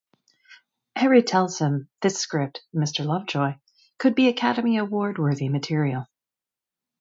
Harry tells him this script, "Mr. Lovejoy", could be Academy Award worthy material.